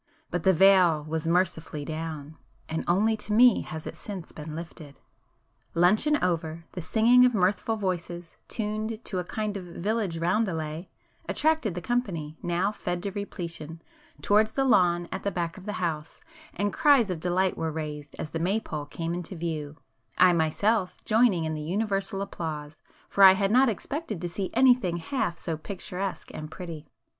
But the veil was mercifully down,—and only to me has it since been lifted! Luncheon over, the singing of mirthful voices, tuned to a kind of village roundelay, attracted the company, now fed to repletion, towards the lawn at the back of the house, and cries of delight were raised as the Maypole came into view, I myself joining in the universal applause, for I had not expected to [p 267] see anything half so picturesque and pretty.